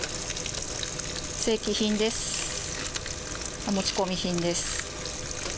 正規品です。